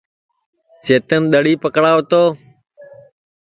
چیتن دؔڑی پکڑاو تو